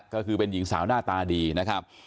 ก็คือเป็นหญิงสาวหน้าตาดีนะครับ